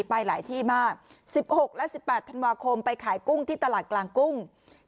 ไปหลายที่มาก๑๖และ๑๘ธันวาคมไปขายกุ้งที่ตลาดกลางกุ้ง